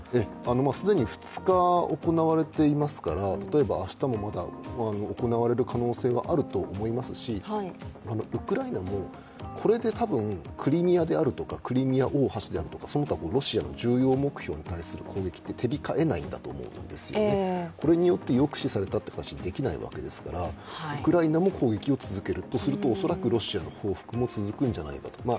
既に２日行われていますから明日も行われる可能性はあると思いますしウクライナもこれで多分、クリミアであるとか、クリミア大橋であるとか、その他ロシアの重要目標に対する攻撃って手控えないと思うんですよね、これによって抑止されたという形にできないわけですからウクライナも攻撃を続ける、とすると、恐らくロシアの報復も続くんじゃないかと。